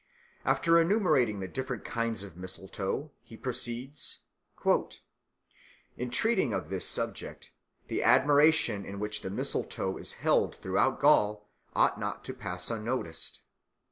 After enumerating the different kinds of mistletoe, he proceeds: "In treating of this subject, the admiration in which the mistletoe is held throughout Gaul ought not to pass unnoticed.